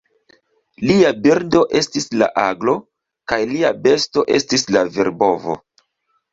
Lia birdo estis la aglo, kaj lia besto estis la virbovo.